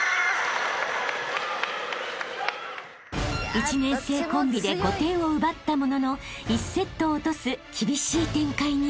［１年生コンビで５点を奪ったものの１セットを落とす厳しい展開に］